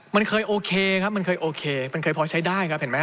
มันเคยโอเคครับมันเคยโอเคมันเคยพอใช้ได้ครับเห็นไหมฮ